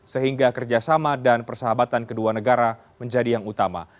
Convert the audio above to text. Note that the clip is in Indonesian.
sehingga kerjasama dan persahabatan kedua negara menjadi yang utama